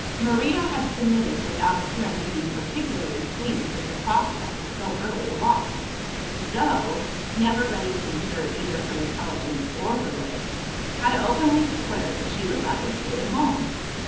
Maria had submitted, without appearing to be particularly pleased at the prospect of so early a walk. Zo (never ready to exert either her intelligence or her legs) had openly declared that she would rather stay at home.